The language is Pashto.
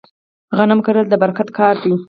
غنم کرل د برکت کار دی.